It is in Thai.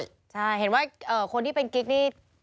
ใช่เห็นว่าคนที่เป็นกิ๊กนี่